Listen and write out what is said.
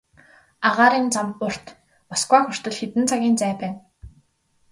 Агаарын зам урт, Москва хүртэл хэдэн цагийн зай байна.